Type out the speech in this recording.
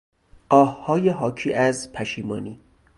آههای حاکی از پشیمانی